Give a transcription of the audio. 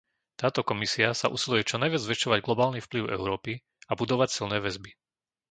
Táto Komisia sa usiluje čo najviac zväčšovať globálny vplyv Európy a budovať silné väzby.